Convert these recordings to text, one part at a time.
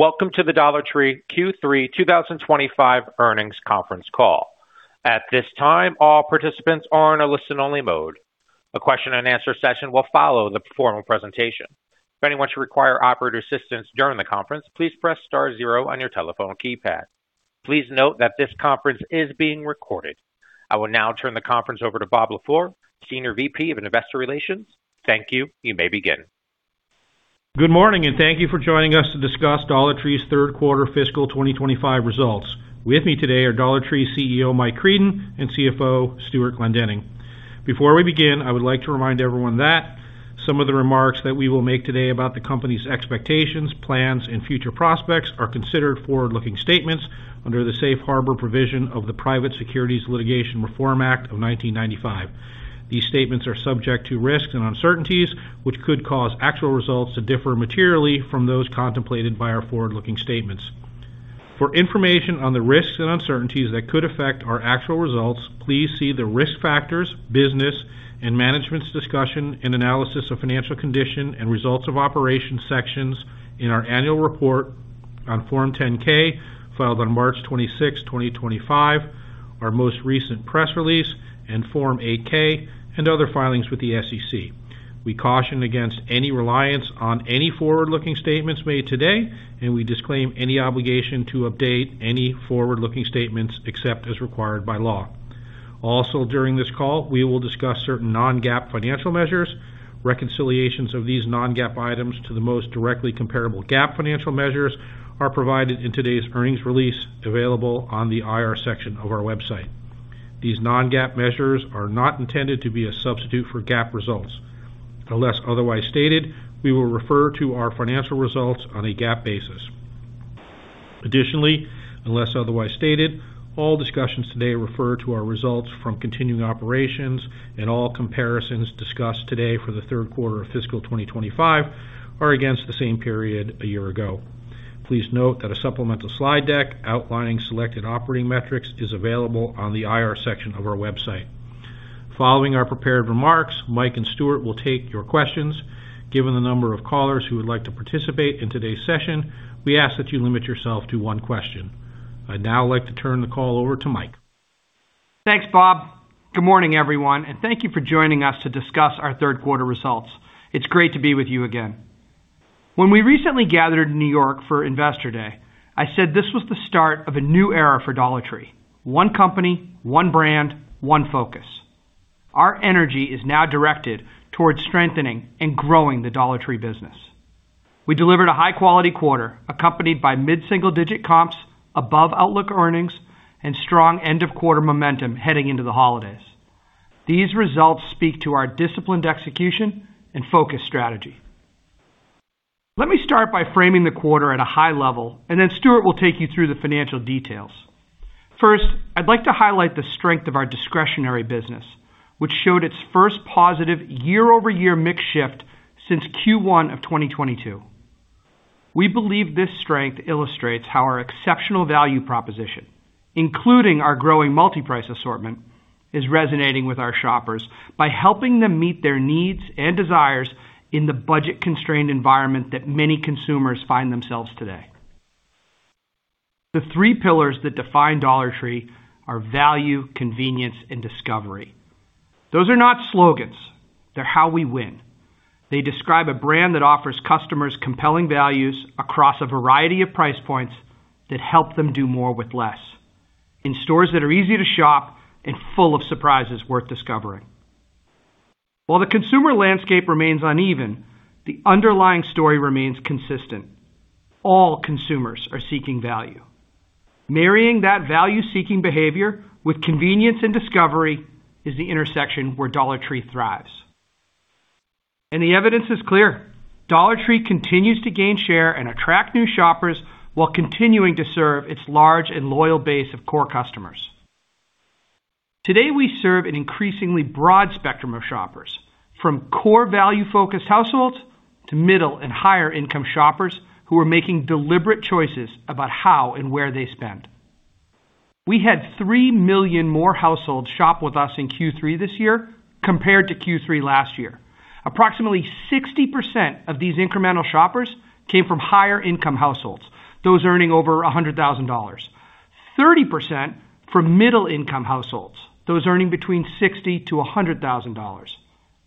Welcome to the Dollar Tree Q3 2025 earnings conference call. At this time, all participants are in a listen-only mode. A question-and-answer session will follow the formal presentation. If anyone should require operator assistance during the conference, please press star zero on your telephone keypad. Please note that this conference is being recorded. I will now turn the conference over to Bob Lafleur, Senior VP of Investor Relations. Thank you. You may begin. Good morning, and thank you for joining us to discuss Dollar Tree's third quarter fiscal 2025 results. With me today are Dollar Tree CEO Mike Creedon and CFO Stewart Glendinning. Before we begin, I would like to remind everyone that some of the remarks that we will make today about the company's expectations, plans, and future prospects are considered forward-looking statements under the Safe Harbor provision of the Private Securities Litigation Reform Act of 1995. These statements are subject to risks and uncertainties, which could cause actual results to differ materially from those contemplated by our forward-looking statements. For information on the risks and uncertainties that could affect our actual results, please see the risk factors, business, and management's discussion and analysis of financial condition and results of operations sections in our annual report on Form 10-K filed on March 26, 2025, our most recent press release, and Form 8-K and other filings with the SEC. We caution against any reliance on any forward-looking statements made today, and we disclaim any obligation to update any forward-looking statements except as required by law. Also, during this call, we will discuss certain non-GAAP financial measures. Reconciliations of these non-GAAP items to the most directly comparable GAAP financial measures are provided in today's earnings release available on the IR section of our website. These non-GAAP measures are not intended to be a substitute for GAAP results. Unless otherwise stated, we will refer to our financial results on a GAAP basis. Additionally, unless otherwise stated, all discussions today refer to our results from continuing operations, and all comparisons discussed today for the third quarter of fiscal 2025 are against the same period a year ago. Please note that a supplemental slide deck outlining selected operating metrics is available on the IR section of our website. Following our prepared remarks, Mike and Stewart will take your questions. Given the number of callers who would like to participate in today's session, we ask that you limit yourself to one question. I'd now like to turn the call over to Mike. Thanks, Bob. Good morning, everyone, and thank you for joining us to discuss our third quarter results. It's great to be with you again. When we recently gathered in New York for Investor Day, I said this was the start of a new era for Dollar Tree: one company, one brand, one focus. Our energy is now directed towards strengthening and growing the Dollar Tree business. We delivered a high-quality quarter accompanied by mid-single-digit comps, above-outlook earnings, and strong end-of-quarter momentum heading into the holidays. These results speak to our disciplined execution and focused strategy. Let me start by framing the quarter at a high level, and then Stewart will take you through the financial details. First, I'd like to highlight the strength of our discretionary business, which showed its first positive year-over-year mix shift since Q1 of 2022. We believe this strength illustrates how our exceptional value proposition, including our growing multi-price assortment, is resonating with our shoppers by helping them meet their needs and desires in the budget-constrained environment that many consumers find themselves today. The three pillars that define Dollar Tree are value, convenience, and discovery. Those are not slogans. They're how we win. They describe a brand that offers customers compelling values across a variety of price points that help them do more with less, in stores that are easy to shop and full of surprises worth discovering. While the consumer landscape remains uneven, the underlying story remains consistent: all consumers are seeking value. Marrying that value-seeking behavior with convenience and discovery is the intersection where Dollar Tree thrives. The evidence is clear: Dollar Tree continues to gain share and attract new shoppers while continuing to serve its large and loyal base of core customers. Today, we serve an increasingly broad spectrum of shoppers, from core value-focused households to middle and higher-income shoppers who are making deliberate choices about how and where they spend. We had three million more households shop with us in Q3 this year compared to Q3 last year. Approximately 60% of these incremental shoppers came from higher-income households, those earning over $100,000. 30% from middle-income households, those earning between $60,000-$100,000.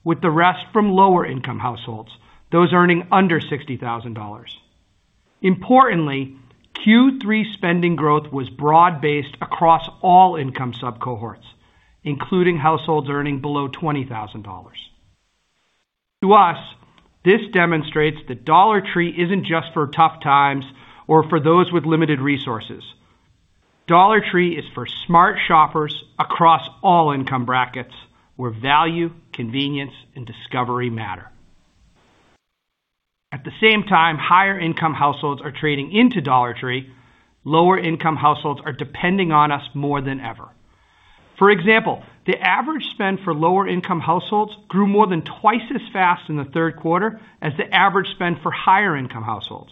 With the rest from lower-income households, those earning under $60,000. Importantly, Q3 spending growth was broad-based across all income sub-cohorts, including households earning below $20,000. To us, this demonstrates that Dollar Tree isn't just for tough times or for those with limited resources. Dollar Tree is for smart shoppers across all income brackets where value, convenience, and discovery matter. At the same time, higher-income households are trading into Dollar Tree. Lower-income households are depending on us more than ever. For example, the average spend for lower-income households grew more than twice as fast in the third quarter as the average spend for higher-income households.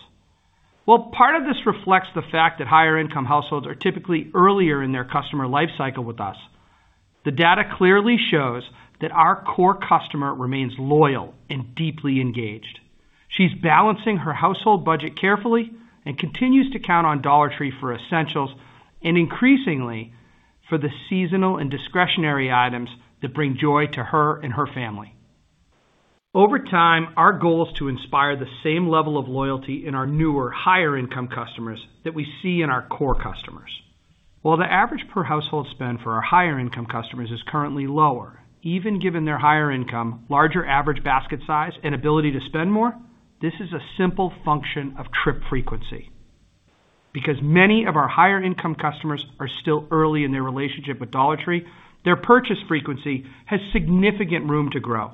Part of this reflects the fact that higher-income households are typically earlier in their customer lifecycle with us. The data clearly shows that our core customer remains loyal and deeply engaged. She's balancing her household budget carefully and continues to count on Dollar Tree for essentials and, increasingly, for the seasonal and discretionary items that bring joy to her and her family. Over time, our goal is to inspire the same level of loyalty in our newer, higher-income customers that we see in our core customers. While the average per-household spend for our higher-income customers is currently lower, even given their higher income, larger average basket size, and ability to spend more, this is a simple function of trip frequency. Because many of our higher-income customers are still early in their relationship with Dollar Tree, their purchase frequency has significant room to grow.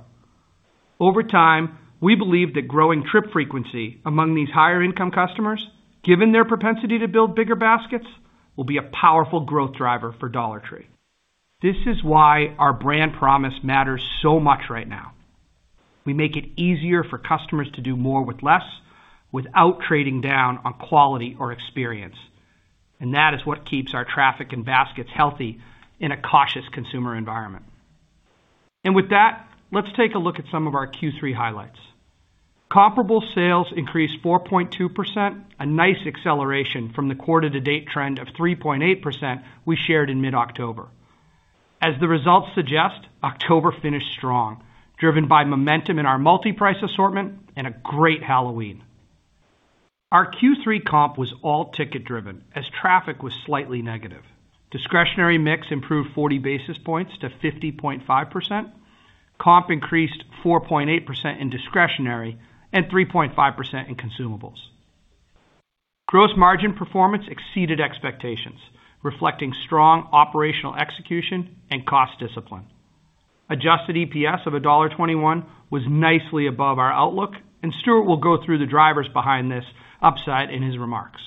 Over time, we believe that growing trip frequency among these higher-income customers, given their propensity to build bigger baskets, will be a powerful growth driver for Dollar Tree. This is why our brand promise matters so much right now. We make it easier for customers to do more with less without trading down on quality or experience, and that is what keeps our traffic and baskets healthy in a cautious consumer environment, and with that, let's take a look at some of our Q3 highlights. Comparable sales increased 4.2%, a nice acceleration from the quarter-to-date trend of 3.8% we shared in mid-October. As the results suggest, October finished strong, driven by momentum in our multi-price assortment and a great Halloween. Our Q3 comp was all ticket-driven as traffic was slightly negative. Discretionary mix improved 40 basis points to 50.5%. Comp increased 4.8% in discretionary and 3.5% in consumables. Gross margin performance exceeded expectations, reflecting strong operational execution and cost discipline. Adjusted EPS of $1.21 was nicely above our outlook, and Stewart will go through the drivers behind this upside in his remarks.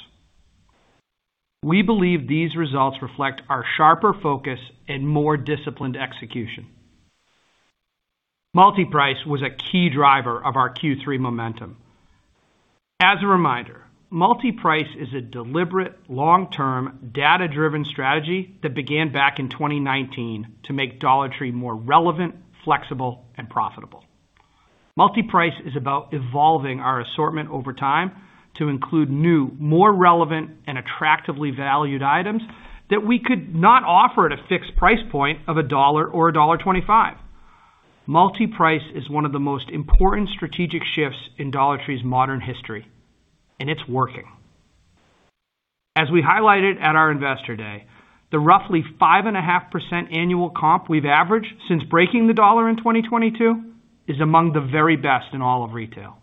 We believe these results reflect our sharper focus and more disciplined execution. Multi-price was a key driver of our Q3 momentum. As a reminder, multi-price is a deliberate, long-term, data-driven strategy that began back in 2019 to make Dollar Tree more relevant, flexible, and profitable. Multi-Price is about evolving our assortment over time to include new, more relevant, and attractively valued items that we could not offer at a fixed price point of $1 or $1.25. Multi-Price is one of the most important strategic shifts in Dollar Tree's modern history, and it's working. As we highlighted at our Investor Day, the roughly 5.5% annual comp we've averaged since breaking the dollar in 2022 is among the very best in all of retail.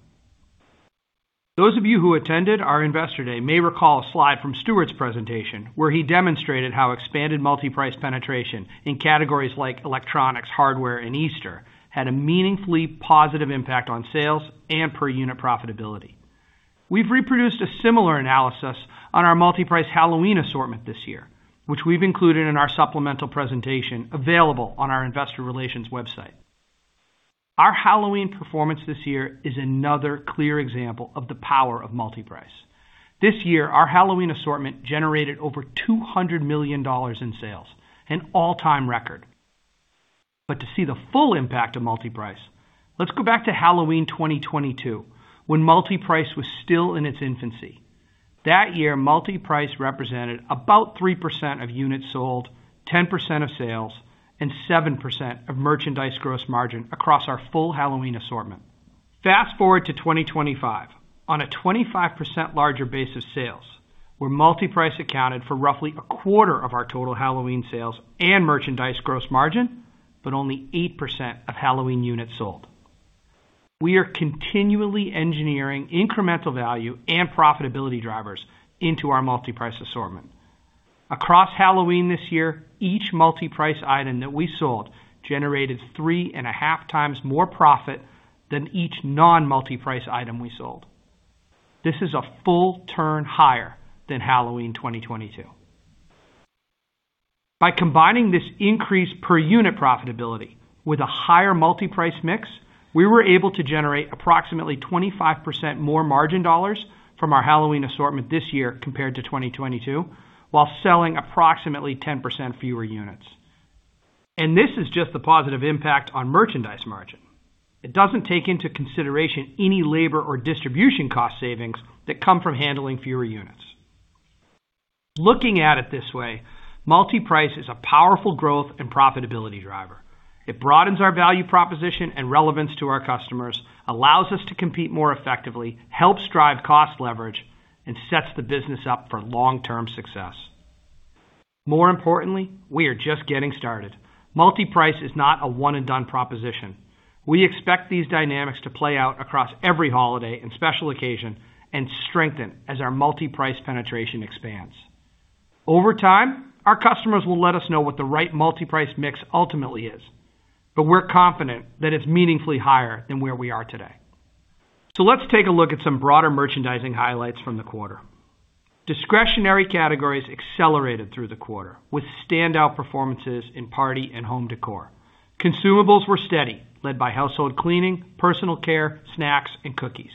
Those of you who attended our Investor Day may recall a slide from Stewart's presentation where he demonstrated how expanded multi-price penetration in categories like electronics, hardware, and Easter had a meaningfully positive impact on sales and per-unit profitability. We've reproduced a similar analysis on our Multi-Price Halloween Assortment this year, which we've included in our supplemental presentation available on our Investor Relations website. Our Halloween performance this year is another clear example of the power of multi-price. This year, our Halloween assortment generated over $200 million in sales, an all-time record. But to see the full impact of multi-price, let's go back to Halloween 2022, when multi-price was still in its infancy. That year, multi-price represented about 3% of units sold, 10% of sales, and 7% of merchandise gross margin across our full Halloween assortment. Fast forward to 2025, on a 25% larger base of sales, where multi-price accounted for roughly a quarter of our total Halloween sales and merchandise gross margin, but only 8% of Halloween units sold. We are continually engineering incremental value and profitability drivers into our multi-price assortment. Across Halloween this year, each multi-price item that we sold generated three and a half times more profit than each non-multi-price item we sold. This is a full-turn higher than Halloween 2022. By combining this increased per-unit profitability with a higher multi-price mix, we were able to generate approximately 25% more margin dollars from our Halloween assortment this year compared to 2022, while selling approximately 10% fewer units. And this is just the positive impact on merchandise margin. It doesn't take into consideration any labor or distribution cost savings that come from handling fewer units. Looking at it this way, multi-price is a powerful growth and profitability driver. It broadens our value proposition and relevance to our customers, allows us to compete more effectively, helps drive cost leverage, and sets the business up for long-term success. More importantly, we are just getting started. Multi-price is not a one-and-done proposition. We expect these dynamics to play out across every holiday and special occasion and strengthen as our multi-price penetration expands. Over time, our customers will let us know what the right multi-price mix ultimately is, but we're confident that it's meaningfully higher than where we are today. So let's take a look at some broader merchandising highlights from the quarter. Discretionary categories accelerated through the quarter with standout performances in party and home decor. Consumables were steady, led by household cleaning, personal care, snacks, and cookies.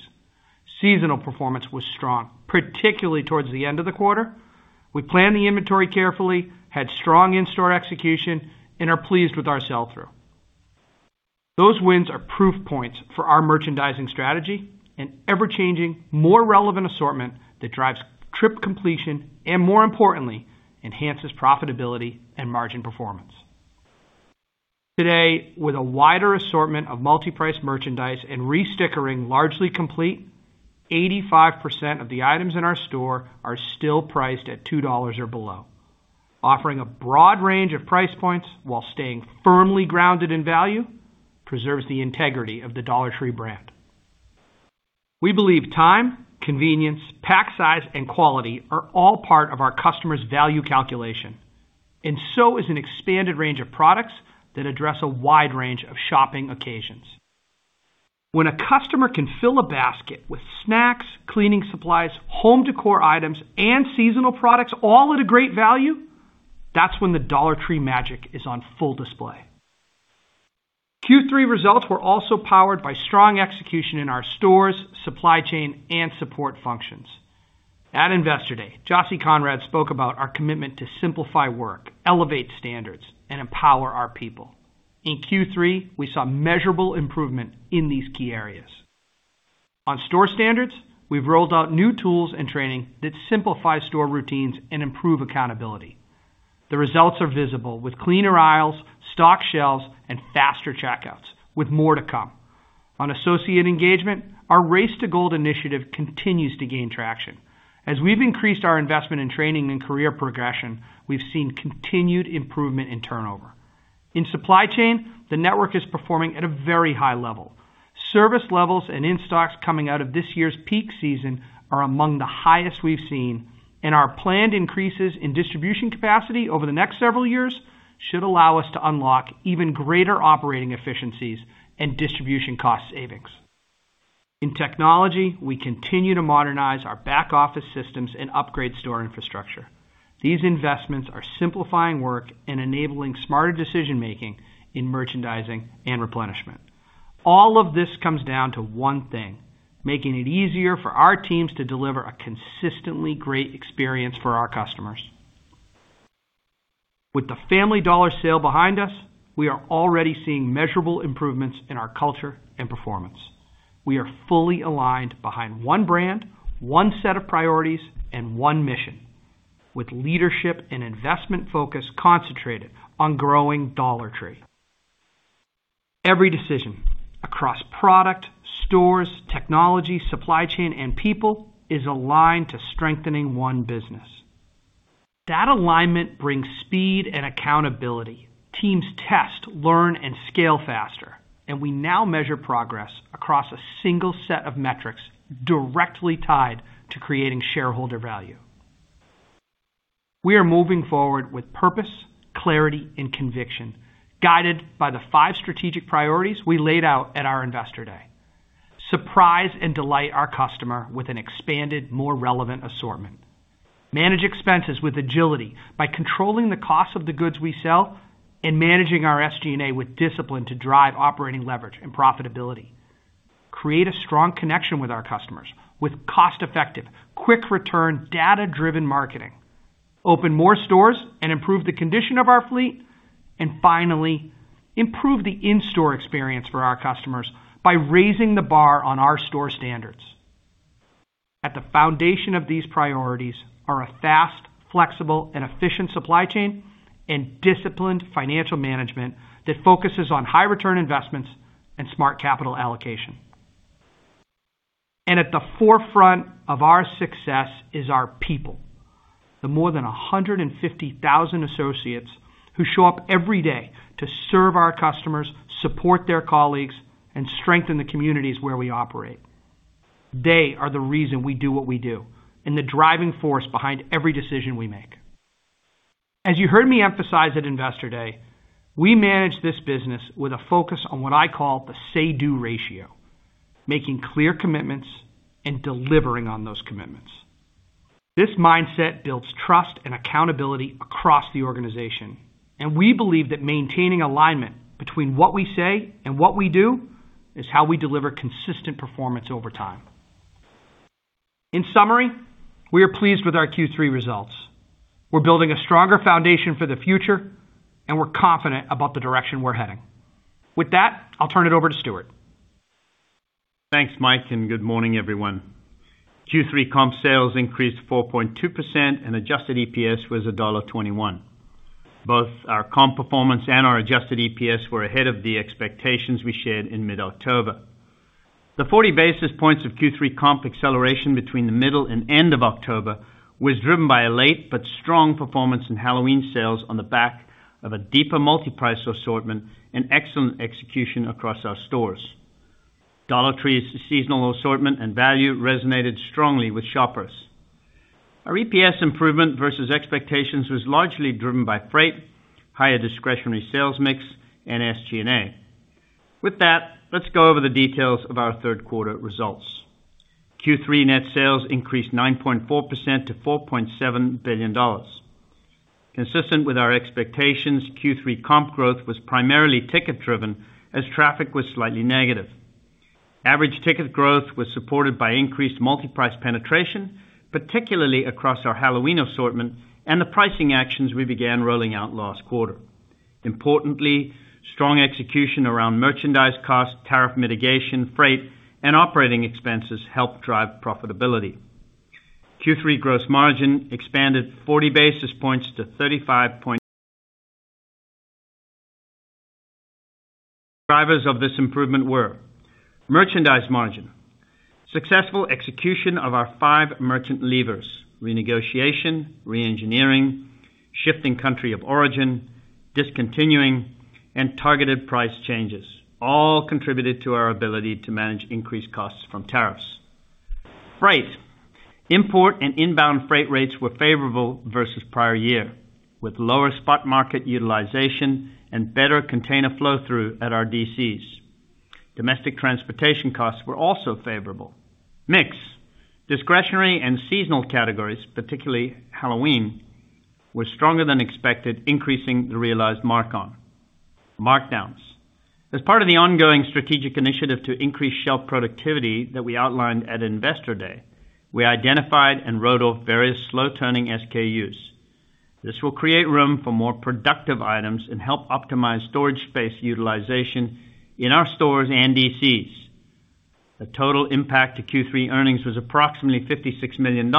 Seasonal performance was strong, particularly towards the end of the quarter. We planned the inventory carefully, had strong in-store execution, and are pleased with our sell-through. Those wins are proof points for our merchandising strategy and ever-changing, more relevant assortment that drives trip completion and, more importantly, enhances profitability and margin performance. Today, with a wider assortment of multi-price merchandise and restickering largely complete, 85% of the items in our store are still priced at $2 or below. Offering a broad range of price points while staying firmly grounded in value preserves the integrity of the Dollar Tree brand. We believe time, convenience, pack size, and quality are all part of our customer's value calculation, and so is an expanded range of products that address a wide range of shopping occasions. When a customer can fill a basket with snacks, cleaning supplies, home decor items, and seasonal products all at a great value, that's when the Dollar Tree magic is on full display. Q3 results were also powered by strong execution in our stores, supply chain, and support functions. At Investor Day, Jocy Conrad spoke about our commitment to simplify work, elevate standards, and empower our people. In Q3, we saw measurable improvement in these key areas. On store standards, we've rolled out new tools and training that simplify store routines and improve accountability. The results are visible with cleaner aisles, stock shelves, and faster checkouts, with more to come. On associate engagement, our Race to Gold initiative continues to gain traction. As we've increased our investment in training and career progression, we've seen continued improvement in turnover. In supply chain, the network is performing at a very high level. Service levels and in-stocks coming out of this year's peak season are among the highest we've seen, and our planned increases in distribution capacity over the next several years should allow us to unlock even greater operating efficiencies and distribution cost savings. In technology, we continue to modernize our back-office systems and upgrade store infrastructure. These investments are simplifying work and enabling smarter decision-making in merchandising and replenishment. All of this comes down to one thing: making it easier for our teams to deliver a consistently great experience for our customers. With the Family Dollar sale behind us, we are already seeing measurable improvements in our culture and performance. We are fully aligned behind one brand, one set of priorities, and one mission, with leadership and investment focus concentrated on growing Dollar Tree. Every decision across product, stores, technology, supply chain, and people is aligned to strengthening one business. That alignment brings speed and accountability. Teams test, learn, and scale faster, and we now measure progress across a single set of metrics directly tied to creating shareholder value. We are moving forward with purpose, clarity, and conviction, guided by the five strategic priorities we laid out at our Investor Day. Surprise and delight our customer with an expanded, more relevant assortment. Manage expenses with agility by controlling the cost of the goods we sell and managing our SG&A with discipline to drive operating leverage and profitability. Create a strong connection with our customers with cost-effective, quick-return, data-driven marketing. Open more stores and improve the condition of our fleet. And finally, improve the in-store experience for our customers by raising the bar on our store standards. At the foundation of these priorities are a fast, flexible, and efficient supply chain and disciplined financial management that focuses on high-return investments and smart capital allocation. And at the forefront of our success is our people, the more than 150,000 associates who show up every day to serve our customers, support their colleagues, and strengthen the communities where we operate. They are the reason we do what we do and the driving force behind every decision we make. As you heard me emphasize at Investor Day, we manage this business with a focus on what I call the say-do ratio, making clear commitments and delivering on those commitments. This mindset builds trust and accountability across the organization, and we believe that maintaining alignment between what we say and what we do is how we deliver consistent performance over time. In summary, we are pleased with our Q3 results. We're building a stronger foundation for the future, and we're confident about the direction we're heading. With that, I'll turn it over to Stewart. Thanks, Mike, and good morning, everyone. Q3 comp sales increased 4.2%, and adjusted EPS was $1.21. Both our comp performance and our adjusted EPS were ahead of the expectations we shared in mid-October. The 40 basis points of Q3 comp acceleration between the middle and end of October was driven by a late but strong performance in Halloween sales on the back of a deeper multi-price assortment and excellent execution across our stores. Dollar Tree's seasonal assortment and value resonated strongly with shoppers. Our EPS improvement versus expectations was largely driven by freight, higher discretionary sales mix, and SG&A. With that, let's go over the details of our third-quarter results. Q3 net sales increased 9.4% to $4.7 billion. Consistent with our expectations, Q3 comp growth was primarily ticket-driven as traffic was slightly negative. Average ticket growth was supported by increased multi-price penetration, particularly across our Halloween assortment and the pricing actions we began rolling out last quarter. Importantly, strong execution around merchandise cost, tariff mitigation, freight, and operating expenses helped drive profitability. Q3 gross margin expanded 40 basis points to 35%. Drivers of this improvement were merchandise margin, successful execution of our five merchant levers, renegotiation, re-engineering, shifting country of origin, discontinuing, and targeted price changes, all contributed to our ability to manage increased costs from tariffs. Freight, import and inbound freight rates were favorable versus prior year, with lower spot market utilization and better container flow-through at our DCs. Domestic transportation costs were also favorable. Mix, discretionary and seasonal categories, particularly Halloween, were stronger than expected, increasing the realized mark-on. Markdowns. As part of the ongoing strategic initiative to increase shelf productivity that we outlined at Investor Day, we identified and wrote off various slow-turning SKUs. This will create room for more productive items and help optimize storage space utilization in our stores and DCs. The total impact to Q3 earnings was approximately $56 million,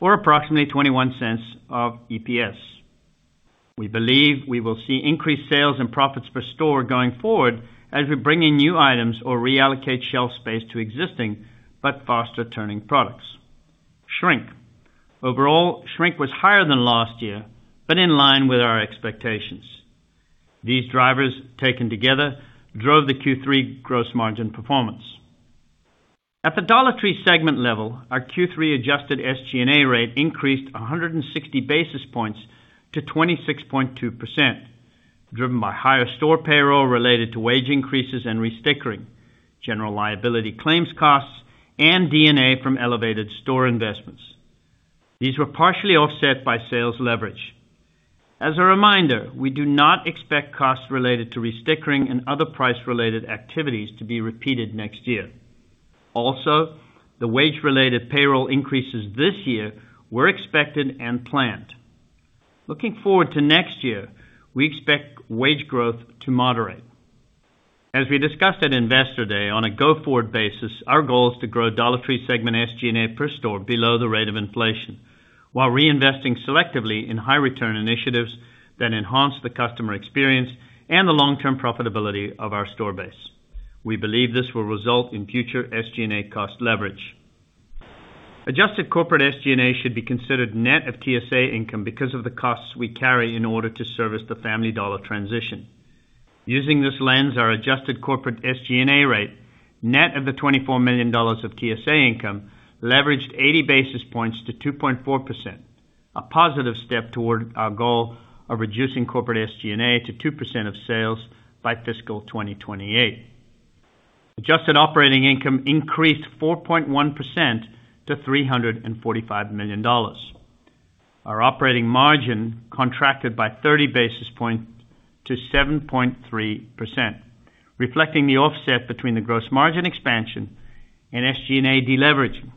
or approximately $0.21 of EPS. We believe we will see increased sales and profits per store going forward as we bring in new items or reallocate shelf space to existing but faster-turning products. Shrink. Overall, shrink was higher than last year, but in line with our expectations. These drivers, taken together, drove the Q3 gross margin performance. At the Dollar Tree segment level, our Q3 adjusted SG&A rate increased 160 basis points to 26.2%, driven by higher store payroll related to wage increases and restickering, general liability claims costs, and DNA from elevated store investments. These were partially offset by sales leverage. As a reminder, we do not expect costs related to restickering and other price-related activities to be repeated next year. Also, the wage-related payroll increases this year were expected and planned. Looking forward to next year, we expect wage growth to moderate. As we discussed at Investor Day, on a go-forward basis, our goal is to grow Dollar Tree segment SG&A per store below the rate of inflation, while reinvesting selectively in high-return initiatives that enhance the customer experience and the long-term profitability of our store base. We believe this will result in future SG&A cost leverage. Adjusted corporate SG&A should be considered net of TSA income because of the costs we carry in order to service the Family Dollar transition. Using this lens, our adjusted corporate SG&A rate, net of the $24 million of TSA income, leveraged 80 basis points to 2.4%, a positive step toward our goal of reducing corporate SG&A to 2% of sales by fiscal 2028. Adjusted operating income increased 4.1% to $345 million. Our operating margin contracted by 30 basis points to 7.3%, reflecting the offset between the gross margin expansion and SG&A deleveraging,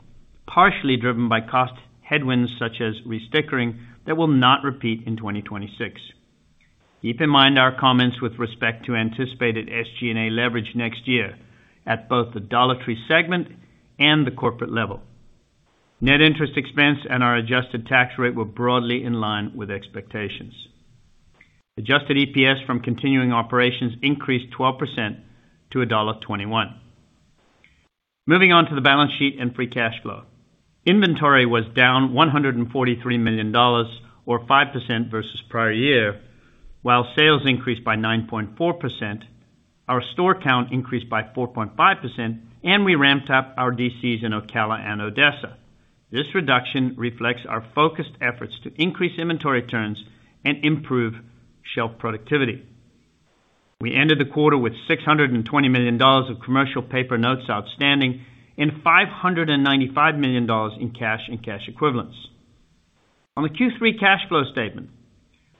partially driven by cost headwinds such as restickering that will not repeat in 2026. Keep in mind our comments with respect to anticipated SG&A leverage next year at both the Dollar Tree segment and the corporate level. Net interest expense and our adjusted tax rate were broadly in line with expectations. Adjusted EPS from continuing operations increased 12% to $1.21. Moving on to the balance sheet and free cash flow. Inventory was down $143 million, or 5% versus prior year, while sales increased by 9.4%. Our store count increased by 4.5%, and we ramped up our DCs in Ocala and Odessa. This reduction reflects our focused efforts to increase inventory turns and improve shelf productivity. We ended the quarter with $620 million of commercial paper notes outstanding and $595 million in cash and cash equivalents. On the Q3 cash flow statement,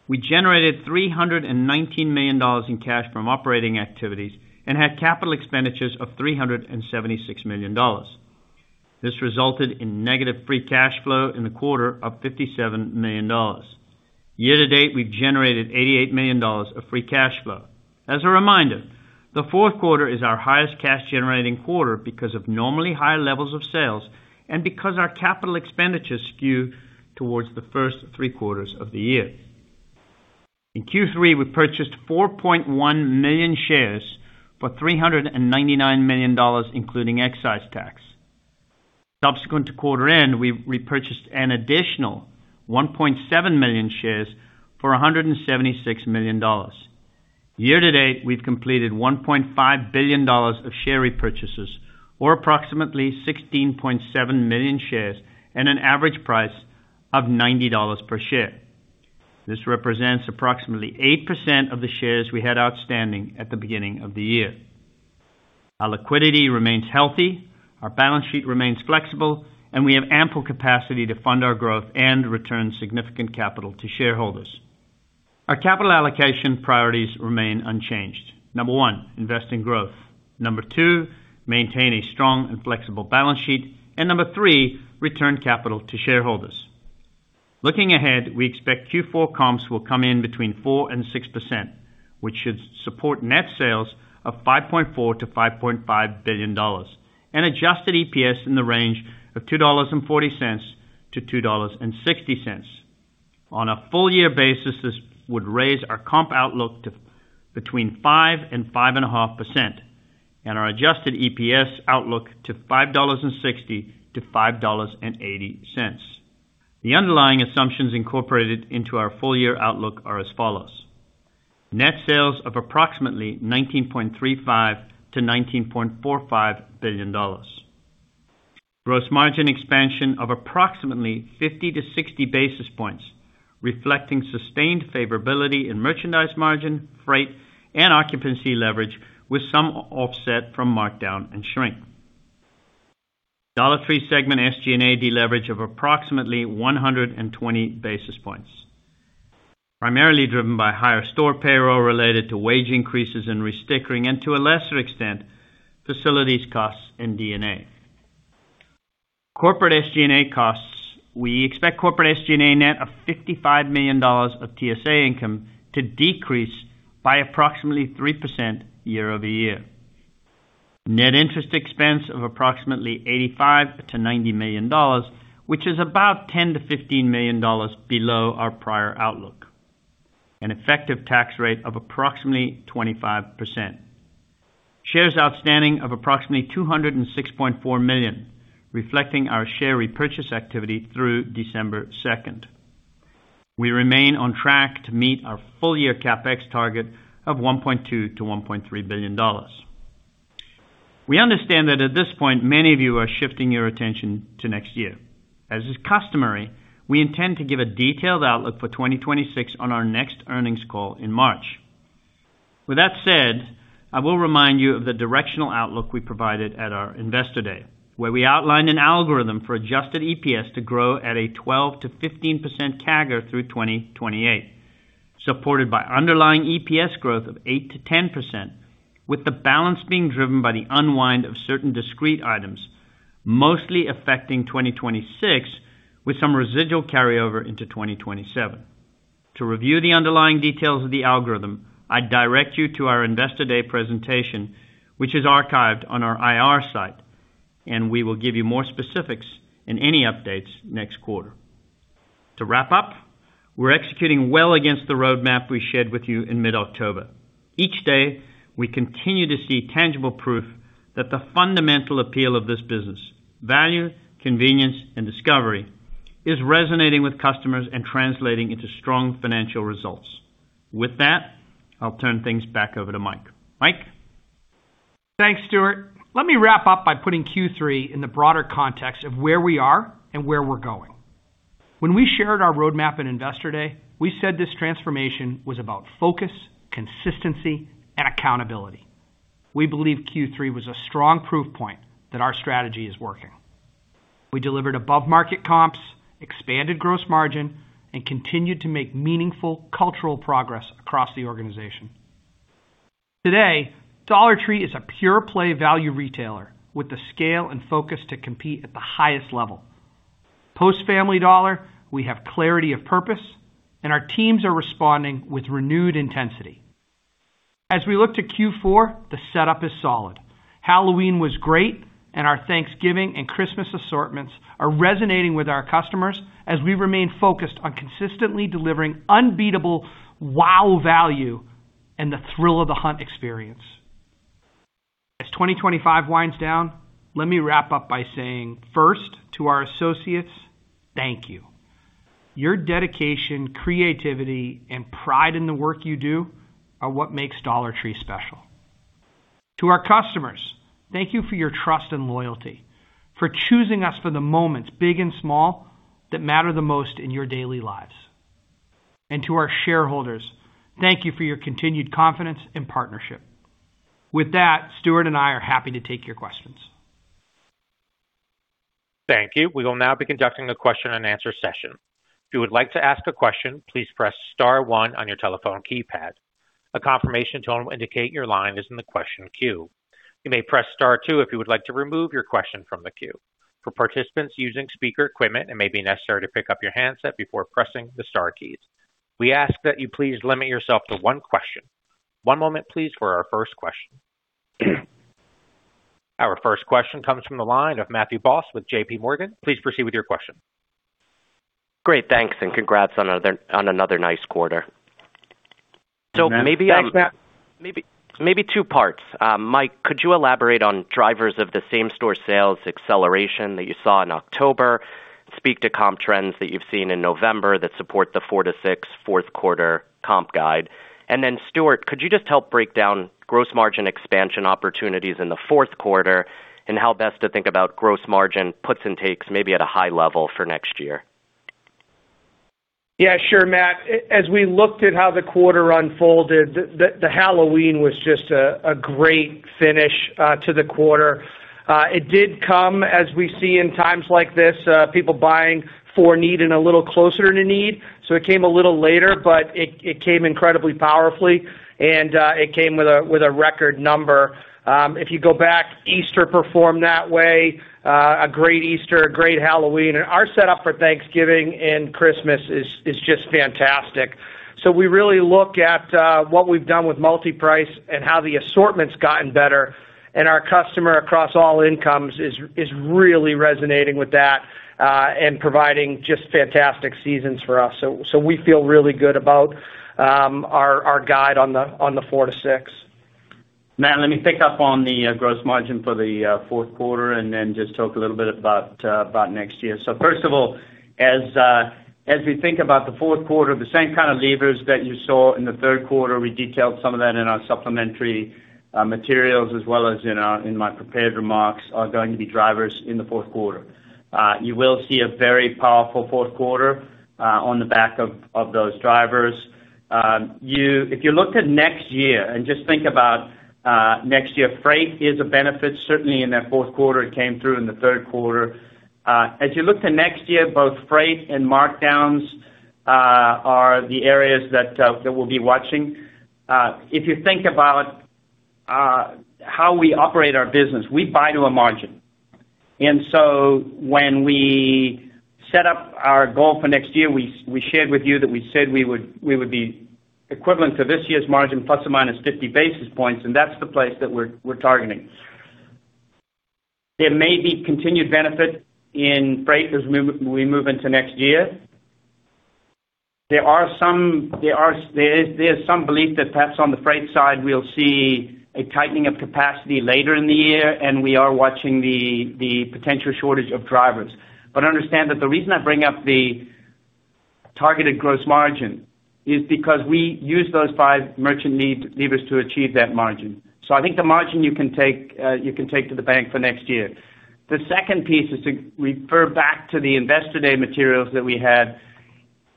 we generated $319 million in cash from operating activities and had capital expenditures of $376 million. This resulted in negative free cash flow in the quarter of $57 million. Year to date, we've generated $88 million of free cash flow. As a reminder, the fourth quarter is our highest cash-generating quarter because of normally high levels of sales and because our capital expenditures skew towards the first three quarters of the year. In Q3, we purchased 4.1 million shares for $399 million, including excise tax. Subsequent to quarter end, we repurchased an additional 1.7 million shares for $176 million. Year to date, we've completed $1.5 billion of share repurchases, or approximately 16.7 million shares at an average price of $90 per share. This represents approximately 8% of the shares we had outstanding at the beginning of the year. Our liquidity remains healthy, our balance sheet remains flexible, and we have ample capacity to fund our growth and return significant capital to shareholders. Our capital allocation priorities remain unchanged. Number one, invest in growth. Number two, maintain a strong and flexible balance sheet. And number three, return capital to shareholders. Looking ahead, we expect Q4 comps will come in between 4% and 6%, which should support net sales of $5.4 billion-$5.5 billion and adjusted EPS in the range of $2.40-$2.60. On a full-year basis, this would raise our comp outlook to between 5% and 5.5% and our adjusted EPS outlook to $5.60-$5.80. The underlying assumptions incorporated into our full-year outlook are as follows: net sales of approximately $19.35 billion-$19.45 billion, gross margin expansion of approximately 50 basis points-60 basis points, reflecting sustained favorability in merchandise margin, freight, and occupancy leverage, with some offset from markdown and shrink. Dollar Tree segment SG&A deleverage of approximately 120 basis points, primarily driven by higher store payroll related to wage increases and restickering and to a lesser extent, facilities costs and DNA. Corporate SG&A costs, we expect corporate SG&A net of $55 million of TSA income to decrease by approximately 3% year over year. Net interest expense of approximately $85 million-$90 million, which is about $10 million-$15 million below our prior outlook. An effective tax rate of approximately 25%. Shares outstanding of approximately 206.4 million, reflecting our share repurchase activity through December 2nd. We remain on track to meet our full-year CapEx target of $1.2 billion-$1.3 billion. We understand that at this point, many of you are shifting your attention to next year. As is customary, we intend to give a detailed outlook for 2026 on our next earnings call in March. With that said, I will remind you of the directional outlook we provided at our Investor Day, where we outlined an algorithm for adjusted EPS to grow at a 12%-15% CAGR through 2028, supported by underlying EPS growth of 8%-10%, with the balance being driven by the unwind of certain discrete items, mostly affecting 2026, with some residual carryover into 2027. To review the underlying details of the algorithm, I direct you to our Investor Day presentation, which is archived on our IR site, and we will give you more specifics and any updates next quarter. To wrap up, we're executing well against the roadmap we shared with you in mid-October. Each day, we continue to see tangible proof that the fundamental appeal of this business, value, convenience, and discovery, is resonating with customers and translating into strong financial results. With that, I'll turn things back over to Mike. Mike. Thanks, Stewart. Let me wrap up by putting Q3 in the broader context of where we are and where we're going. When we shared our roadmap at Investor Day, we said this transformation was about focus, consistency, and accountability. We believe Q3 was a strong proof point that our strategy is working. We delivered above-market comps, expanded gross margin, and continued to make meaningful cultural progress across the organization. Today, Dollar Tree is a pure-play value retailer with the scale and focus to compete at the highest level. Post Family Dollar, we have clarity of purpose, and our teams are responding with renewed intensity. As we look to Q4, the setup is solid. Halloween was great, and our Thanksgiving and Christmas assortments are resonating with our customers as we remain focused on consistently delivering unbeatable wow value and the thrill of the hunt experience. As 2025 winds down, let me wrap up by saying first to our associates, thank you. Your dedication, creativity, and pride in the work you do are what makes Dollar Tree special. To our customers, thank you for your trust and loyalty, for choosing us for the moments big and small that matter the most in your daily lives. And to our shareholders, thank you for your continued confidence and partnership. With that, Stewart and I are happy to take your questions. Thank you. We will now be conducting a question and answer session. If you would like to ask a question, please press star one on your telephone keypad. A confirmation tone will indicate your line is in the question queue. You may press star two if you would like to remove your question from the queue. For participants using speaker equipment, it may be necessary to pick up your handset before pressing the star keys. We ask that you please limit yourself to one question. One moment, please, for our first question. Our first question comes from the line of Matthew Boss with JPMorgan. Please proceed with your question. Great. Thanks. And congrats on another nice quarter. So maybe two parts. Mike, could you elaborate on drivers of the same-store sales acceleration that you saw in October, speak to comp trends that you've seen in November that support the 4%-6% quarter comp guide? And then, Stewart, could you just help break down gross margin expansion opportunities in the fourth quarter and how best to think about gross margin puts and takes maybe at a high level for next year? Yeah, sure, Matt. As we looked at how the quarter unfolded, the Halloween was just a great finish to the quarter. It did come, as we see in times like this, people buying for need and a little closer to need. So it came a little later, but it came incredibly powerfully, and it came with a record number. If you go back, Easter performed that way. A great Easter, a great Halloween. And our setup for Thanksgiving and Christmas is just fantastic. So we really look at what we've done with multiprice and how the assortment's gotten better. Our customer across all incomes is really resonating with that and providing just fantastic seasons for us. We feel really good about our guide on the four to six. Matt, let me pick up on the gross margin for the fourth quarter and then just talk a little bit about next year. First of all, as we think about the fourth quarter, the same kind of levers that you saw in the third quarter, we detailed some of that in our supplementary materials as well as in my prepared remarks, are going to be drivers in the fourth quarter. You will see a very powerful fourth quarter on the back of those drivers. If you look at next year and just think about next year, freight is a benefit, certainly in that fourth quarter it came through in the third quarter. As you look to next year, both freight and markdowns are the areas that we'll be watching. If you think about how we operate our business, we buy to a margin. And so when we set up our goal for next year, we shared with you that we said we would be equivalent to this year's margin ±50 basis points, and that's the place that we're targeting. There may be continued benefit in freight as we move into next year. There is some belief that perhaps on the freight side, we'll see a tightening of capacity later in the year, and we are watching the potential shortage of drivers. But understand that the reason I bring up the targeted Gross Margin is because we use those Five Merchant Levers to achieve that margin. So I think the margin you can take to the bank for next year. The second piece is to refer back to the Investor Day materials that we had,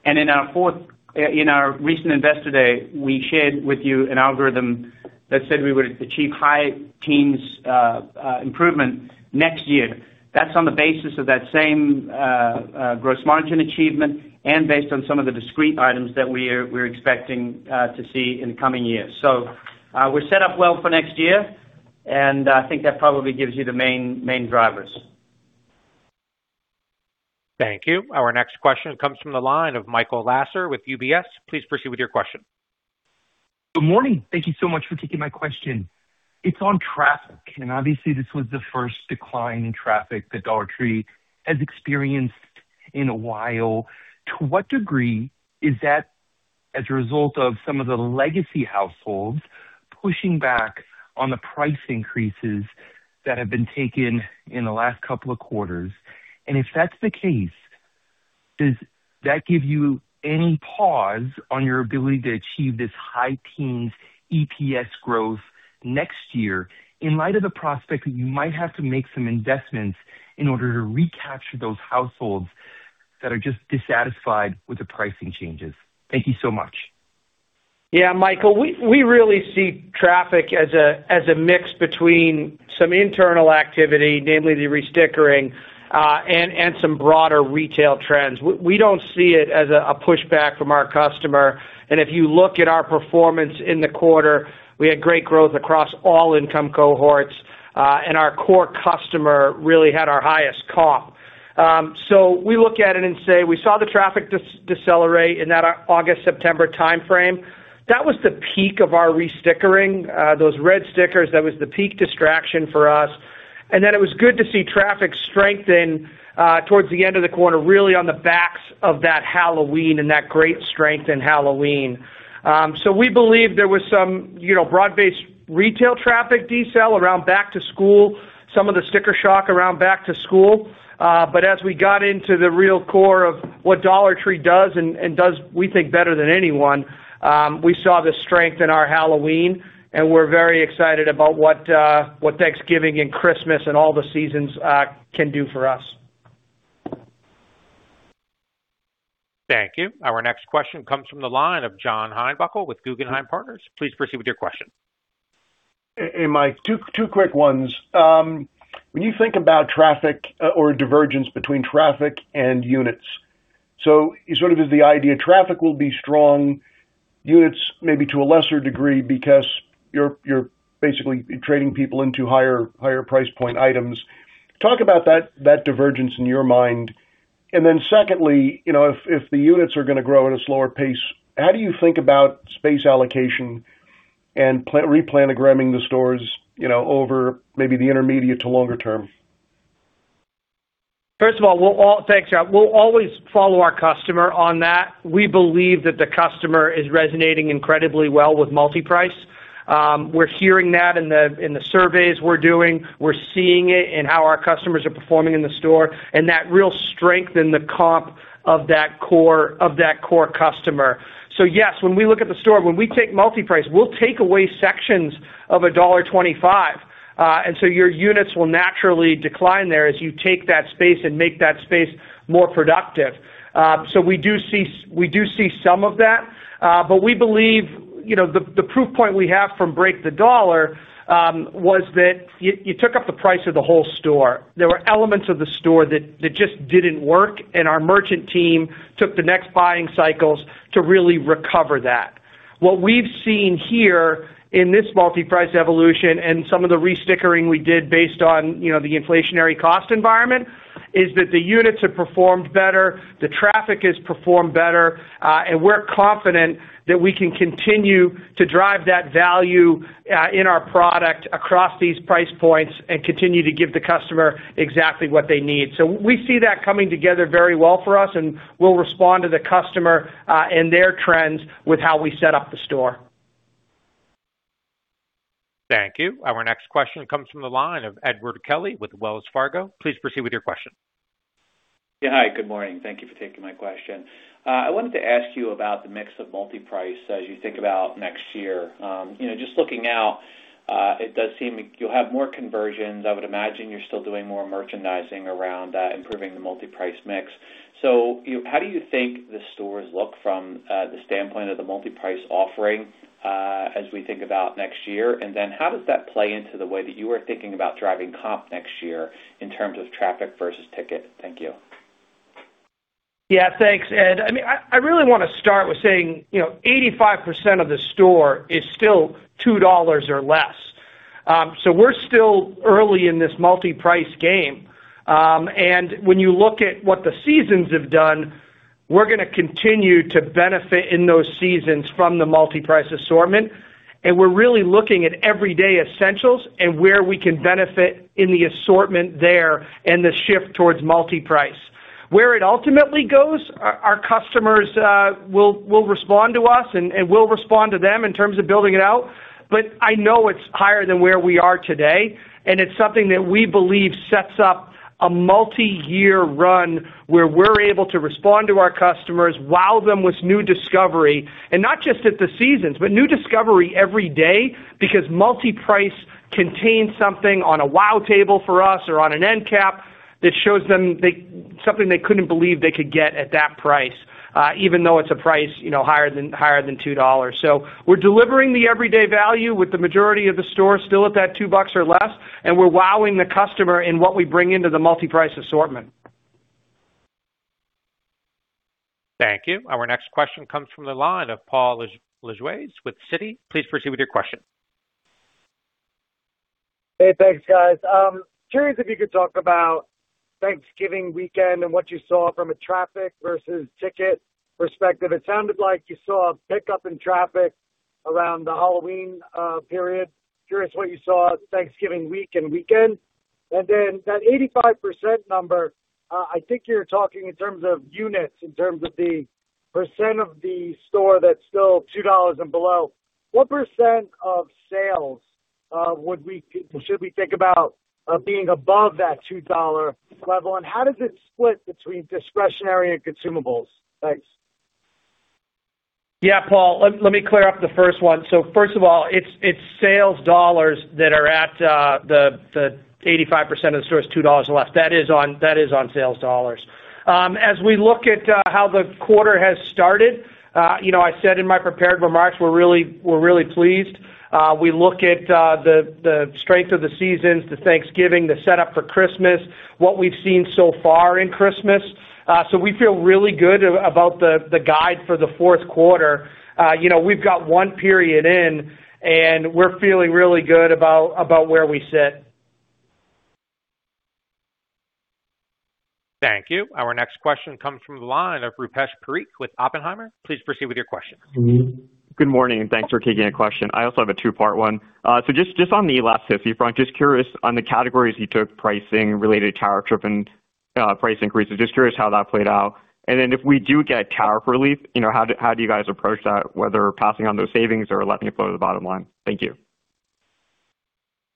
and in our recent Investor Day, we shared with you an algorithm that said we would achieve high-teens improvement next year. That's on the basis of that same gross margin achievement and based on some of the discrete items that we're expecting to see in the coming year, so we're set up well for next year, and I think that probably gives you the main drivers. Thank you. Our next question comes from the line of Michael Lasser with UBS. Please proceed with your question. Good morning. Thank you so much for taking my question. It's on traffic, and obviously, this was the first decline in traffic that Dollar Tree has experienced in a while. To what degree is that as a result of some of the legacy households pushing back on the price increases that have been taken in the last couple of quarters? And if that's the case, does that give you any pause on your ability to achieve this high teens EPS growth next year in light of the prospect that you might have to make some investments in order to recapture those households that are just dissatisfied with the pricing changes? Thank you so much. Yeah, Michael, we really see traffic as a mix between some internal activity, namely the restickering, and some broader retail trends. We don't see it as a pushback from our customer. And if you look at our performance in the quarter, we had great growth across all income cohorts, and our core customer really had our highest comp. So we look at it and say we saw the traffic decelerate in that August-September timeframe. That was the peak of our restickering, those red stickers. That was the peak distraction for us. And then it was good to see traffic strengthen towards the end of the quarter, really on the backs of that Halloween and that great strength in Halloween. So we believe there was some broad-based retail traffic decel around back to school, some of the sticker shock around back to school. But as we got into the real core of what Dollar Tree does and does, we think, better than anyone, we saw the strength in our Halloween, and we're very excited about what Thanksgiving and Christmas and all the seasons can do for us. Thank you. Our next question comes from the line of John Heinbockel with Guggenheim Partners. Please proceed with your question. Mike, two quick ones. When you think about traffic or a divergence between traffic and units, so sort of as the idea traffic will be strong, units maybe to a lesser degree because you're basically trading people into higher price point items. Talk about that divergence in your mind. And then secondly, if the units are going to grow at a slower pace, how do you think about space allocation and replanogramming the stores over maybe the intermediate to longer term? First of all, thanks, Jeff. We'll always follow our customer on that. We believe that the customer is resonating incredibly well with multi-price. We're hearing that in the surveys we're doing. We're seeing it in how our customers are performing in the store and that real strength in the comp of that core customer. So yes, when we look at the store, when we take multiprice, we'll take away sections of $1.25. And so your units will naturally decline there as you take that space and make that space more productive. So we do see some of that. But we believe the proof point we have from Break the Dollar was that you took up the price of the whole store. There were elements of the store that just didn't work, and our merchant team took the next buying cycles to really recover that. What we've seen here in this multiprice evolution and some of the restickering we did based on the inflationary cost environment is that the units have performed better, the traffic has performed better, and we're confident that we can continue to drive that value in our product across these price points and continue to give the customer exactly what they need. So we see that coming together very well for us, and we'll respond to the customer and their trends with how we set up the store. Thank you. Our next question comes from the line of Edward Kelly with Wells Fargo. Please proceed with your question. Yeah, hi. Good morning. Thank you for taking my question. I wanted to ask you about the mix of multiprice as you think about next year. Just looking out, it does seem like you'll have more conversions. I would imagine you're still doing more merchandising around improving the multiprice mix. So how do you think the stores look from the standpoint of the multiprice offering as we think about next year? And then how does that play into the way that you are thinking about driving comp next year in terms of traffic versus ticket? Thank you. Yeah, thanks. And I mean, I really want to start with saying 85% of the store is still $2 or less. So we're still early in this multiprice game. And when you look at what the seasons have done, we're going to continue to benefit in those seasons from the multiprice assortment. And we're really looking at everyday essentials and where we can benefit in the assortment there and the shift towards multiprice. Where it ultimately goes, our customers will respond to us, and we'll respond to them in terms of building it out. But I know it's higher than where we are today, and it's something that we believe sets up a multi-year run where we're able to respond to our customers, wow them with new discovery, and not just at the seasons, but new discovery every day because multiprice contains something on a wow table for us or on an end cap that shows them something they couldn't believe they could get at that price, even though it's a price higher than $2. So we're delivering the everyday value with the majority of the store still at that $2 or less, and we're wowing the customer in what we bring into the multiprice assortment. Thank you. Our next question comes from the line of Paul Lejuez with Citi. Please proceed with your question. Hey, thanks, guys. Curious if you could talk about Thanksgiving weekend and what you saw from a traffic versus ticket perspective. It sounded like you saw a pickup in traffic around the Halloween period. Curious what you saw Thanksgiving week and weekend. And then that 85% number, I think you're talking in terms of units, in terms of the percent of the store that's still $2 and below. What percent of sales should we think about being above that $2 level? And how does it split between discretionary and consumables? Thanks. Yeah, Paul, let me clear up the first one. So first of all, it's sales dollars that are at the 85% of the store is $2 and less. That is on sales dollars. As we look at how the quarter has started, I said in my prepared remarks, we're really pleased. We look at the strength of the seasonals, the Thanksgiving, the setup for Christmas, what we've seen so far in Christmas, so we feel really good about the guide for the fourth quarter. We've got one period in, and we're feeling really good about where we sit. Thank you. Our next question comes from the line of Rupesh Parikh with Oppenheimer. Please proceed with your question. Good morning, and thanks for taking a question. I also have a two-part one, so just on the last issue front, just curious on the categories you took pricing related to tariff risk and price increases. Just curious how that played out. And then if we do get a tariff relief, how do you guys approach that, whether passing on those savings or letting it flow to the bottom line? Thank you.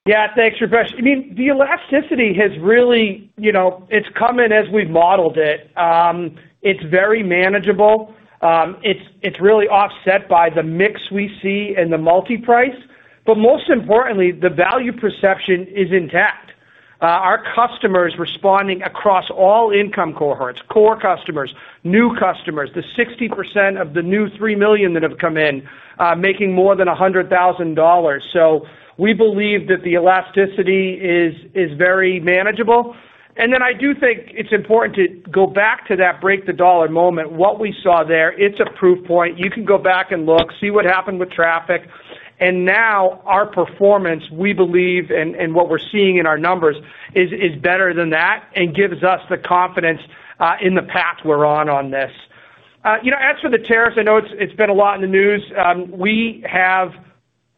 Yeah, thanks, Rupesh. I mean, the elasticity has really come in as we've modeled it. It's very manageable. It's really offset by the mix we see in the multi-price. But most importantly, the value perception is intact. Our customers responding across all income cohorts, core customers, new customers, the 60% of the new 3 million that have come in making more than $100,000. So we believe that the elasticity is very manageable. And then I do think it's important to go back to that Break the Dollar moment. What we saw there, it's a proof point. You can go back and look, see what happened with traffic. And now our performance, we believe, and what we're seeing in our numbers is better than that and gives us the confidence in the path we're on on this. As for the tariffs, I know it's been a lot in the news. We have,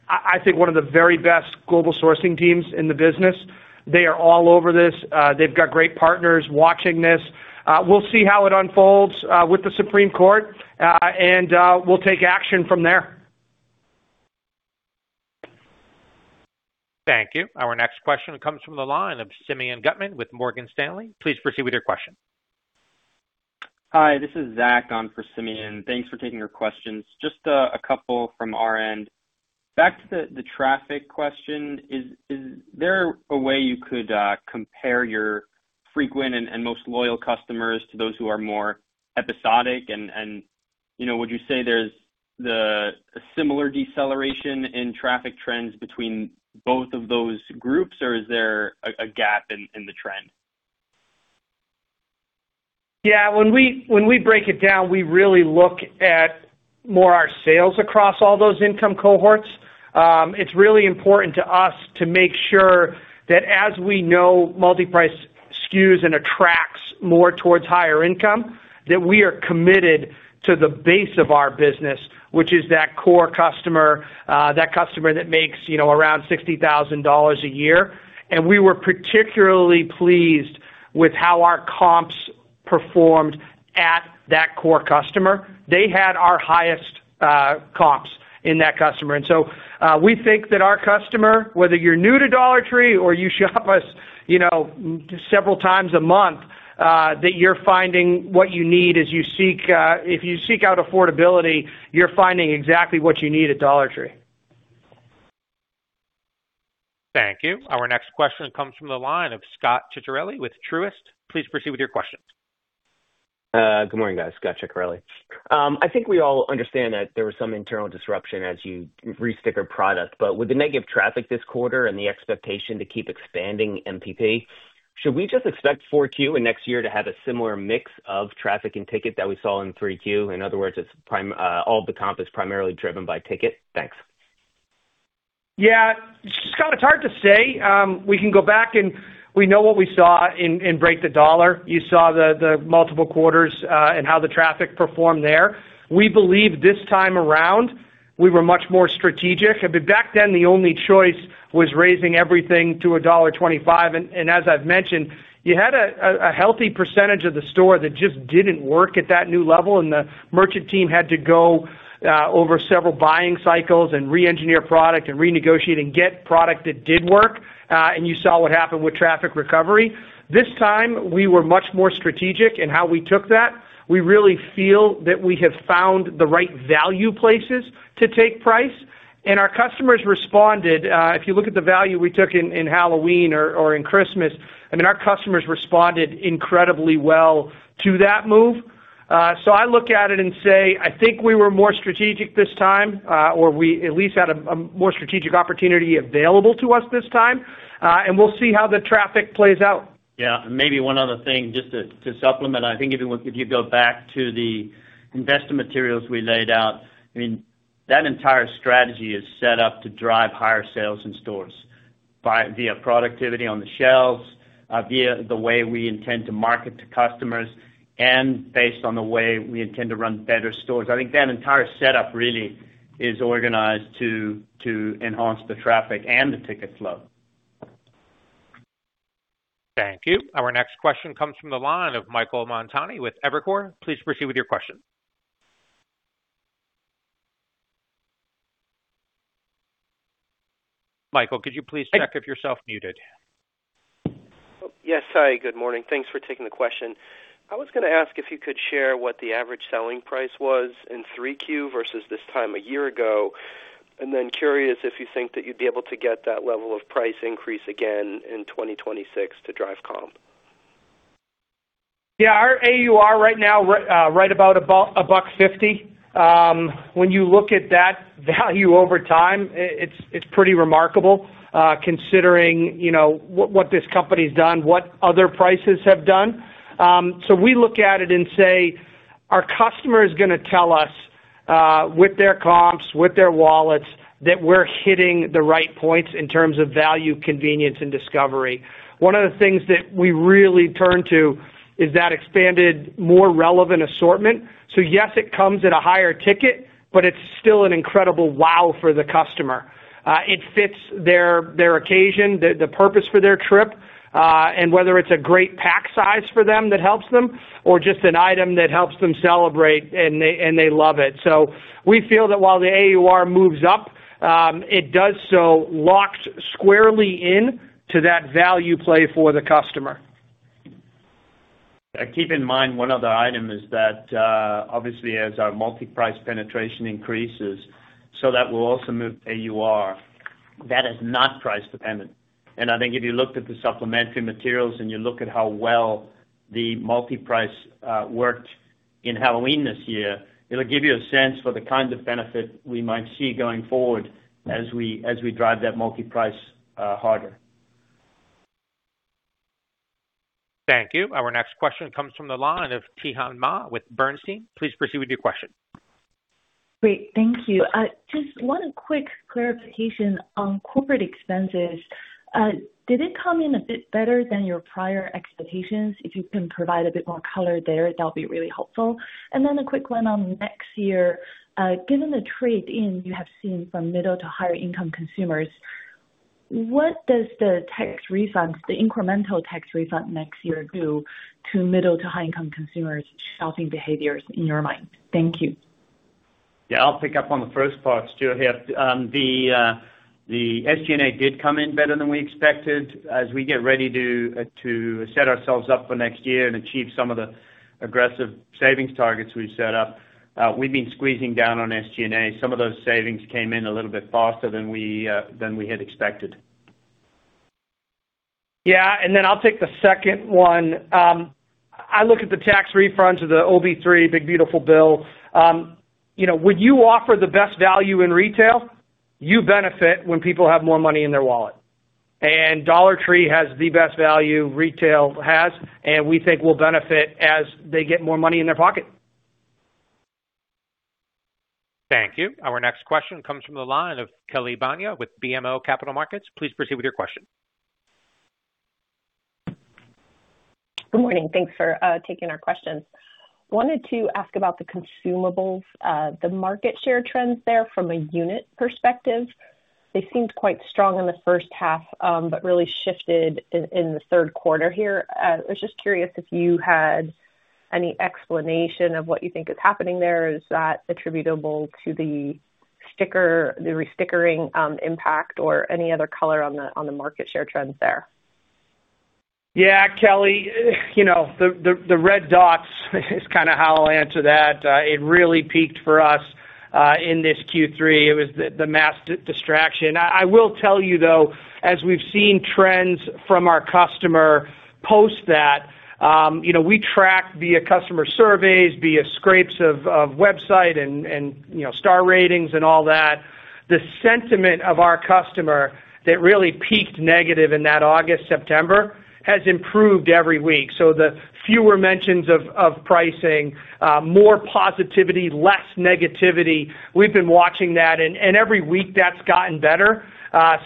I think, one of the very best global sourcing teams in the business. They are all over this. They've got great partners watching this. We'll see how it unfolds with the Supreme Court, and we'll take action from there. Thank you. Our next question comes from the line of Simeon Gutman with Morgan Stanley. Please proceed with your question. Hi, this is Zach on for Simeon. Thanks for taking our questions. Just a couple from our end. Back to the traffic question, is there a way you could compare your frequent and most loyal customers to those who are more episodic? And would you say there's a similar deceleration in traffic trends between both of those groups, or is there a gap in the trend? Yeah, when we break it down, we really look more at our sales across all those income cohorts. It's really important to us to make sure that as we know multiprice skews and attracts more towards higher income, that we are committed to the base of our business, which is that core customer, that customer that makes around $60,000 a year. And we were particularly pleased with how our comps performed at that core customer. They had our highest comps in that customer. And so we think that our customer, whether you're new to Dollar Tree or you shop us several times a month, that you're finding what you need as you seek out affordability, you're finding exactly what you need at Dollar Tree. Thank you. Our next question comes from the line of Scot Ciccarelli with Truist. Please proceed with your question. Good morning, guys. Scot Ciccarelli. I think we all understand that there was some internal disruption as you restickered product. But with the negative traffic this quarter and the expectation to keep expanding MPP, should we just expect 4Q and next year to have a similar mix of traffic and ticket that we saw in 3Q? In other words, all the comp is primarily driven by ticket. Thanks. Yeah, Scott, it's hard to say. We can go back, and we know what we saw in Break the Dollar. You saw the multiple quarters and how the traffic performed there. We believe this time around we were much more strategic. Back then, the only choice was raising everything to $1.25. And as I've mentioned, you had a healthy percentage of the store that just didn't work at that new level, and the merchant team had to go over several buying cycles and re-engineer product and renegotiate and get product that did work. And you saw what happened with traffic recovery. This time, we were much more strategic in how we took that. We really feel that we have found the right value places to take price, and our customers responded. If you look at the value we took in Halloween or in Christmas, I mean, our customers responded incredibly well to that move. So I look at it and say, I think we were more strategic this time, or we at least had a more strategic opportunity available to us this time, and we'll see how the traffic plays out. Yeah. Maybe one other thing, just to supplement, I think if you go back to the investment materials we laid out, I mean, that entire strategy is set up to drive higher sales in stores via productivity on the shelves, via the way we intend to market to customers, and based on the way we intend to run better stores. I think that entire setup really is organized to enhance the traffic and the ticket flow. Thank you. Our next question comes from the line of Michael Montani with Evercore. Please proceed with your question. Michael, could you please check if you're self-muted? Yes, hi. Good morning. Thanks for taking the question. I was going to ask if you could share what the average selling price was in 3Q versus this time a year ago. And then, curious if you think that you'd be able to get that level of price increase again in 2026 to drive comp. Yeah, our AUR right now, right about $1.50. When you look at that value over time, it's pretty remarkable considering what this company's done, what other prices have done. So we look at it and say, our customer is going to tell us with their comps, with their wallets, that we're hitting the right points in terms of value, convenience, and discovery. One of the things that we really turn to is that expanded, more relevant assortment. So yes, it comes at a higher ticket, but it's still an incredible wow for the customer. It fits their occasion, the purpose for their trip, and whether it's a great pack size for them that helps them or just an item that helps them celebrate and they love it. So we feel that while the AUR moves up, it does so locked squarely into that value play for the customer. Keep in mind one other item is that obviously, as our multiprice penetration increases, so that will also move AUR that is not price dependent. And I think if you looked at the supplementary materials and you look at how well the multiprice worked in Halloween this year, it'll give you a sense for the kind of benefit we might see going forward as we drive that multiprice harder. Thank you. Our next question comes from the line of Zhihan Ma with Bernstein. Please proceed with your question. Great. Thank you. Just one quick clarification on corporate expenses. Did it come in a bit better than your prior expectations? If you can provide a bit more color there, that'll be really helpful. And then a quick one on next year. Given the trade down you have seen from middle to higher-income consumers, what does the tax refund, the incremental tax refund next year do to middle to high-income consumers' shopping behaviors in your mind? Thank you. Yeah, I'll pick up on the first part, Stewart. The SG&A did come in better than we expected. As we get ready to set ourselves up for next year and achieve some of the aggressive savings targets we've set up, we've been squeezing down on SG&A. Some of those savings came in a little bit faster than we had expected. Yeah. And then I'll take the second one. I look at the tax refunds of the OB3, Big Beautiful Bill. When you offer the best value in retail, you benefit when people have more money in their wallet. Dollar Tree has the best value retail has, and we think we'll benefit as they get more money in their pocket. Thank you. Our next question comes from the line of Kelly Bania with BMO Capital Markets. Please proceed with your question. Good morning. Thanks for taking our questions. Wanted to ask about the consumables, the market share trends there from a unit perspective. They seemed quite strong in the first half, but really shifted in the third quarter here. I was just curious if you had any explanation of what you think is happening there. Is that attributable to the restickering impact or any other color on the market share trends there? Yeah, Kelly, the red dots is kind of how I'll answer that. It really peaked for us in this Q3. It was the mass distraction. I will tell you, though, as we've seen trends from our customer post that, we track via customer surveys, via scrapes of website and star ratings and all that. The sentiment of our customer that really peaked negative in that August, September has improved every week. So the fewer mentions of pricing, more positivity, less negativity. We've been watching that, and every week that's gotten better.